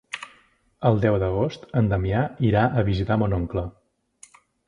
El deu d'agost en Damià irà a visitar mon oncle.